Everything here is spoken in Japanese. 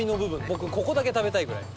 僕ここだけ食べたいぐらい。